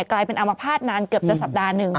กลายเป็นอามภาษณ์นานเกือบจะสัปดาห์หนึ่ง